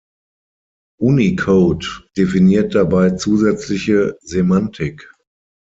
Unicode definiert dabei zusätzliche Semantik.